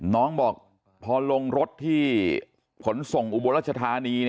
น้องบอกพอลงรถที่ขนส่งอุบลรัชธานี